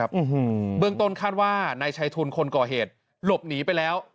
อืมเบื้องต้นคาดว่านายชัยทุนคนก่อเหตุหลบหนีไปแล้ว